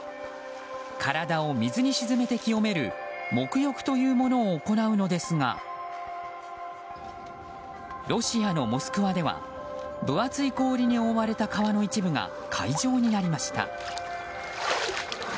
体を水に沈めて清める沐浴というものを行うのですがロシアのモスクワでは分厚い氷に覆われた川の一部が会場になりました。